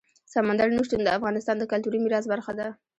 سمندر نه شتون د افغانستان د کلتوري میراث برخه ده.